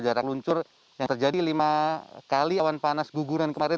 jarak luncur yang terjadi lima kali awan panas guguran kemarin